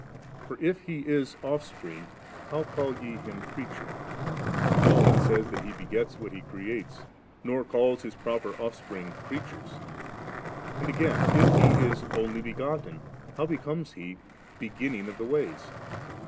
48. For if He b Offspring, how call je Him creature? for no one says that He b^ets what He creates, nor adls His proper off spring creatures; and again, if He b Onlj begotten. how becomes He * beginning of the ways?'